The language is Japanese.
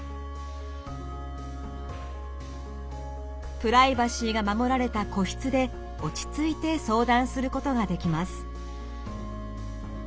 プライバシーが守られた個室で落ち着いて相談することができます。